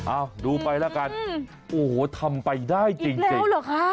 อ้าวดูไปละกันโอ้โหทำไปได้จริงอีกแล้วเหรอคะ